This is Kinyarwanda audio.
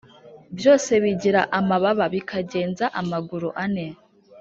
Byose bigira amababa bikagenza amaguru ane